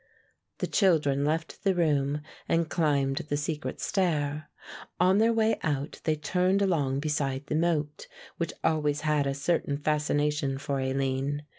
The children left the room and climbed the secret stair. On their way out they turned along beside the moat, which always had a certain fascination for Aline.